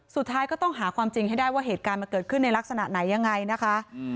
สุดท้ายก็ต้องหาความจริงให้ได้ว่าเหตุการณ์มันเกิดขึ้นในลักษณะไหนยังไงนะคะ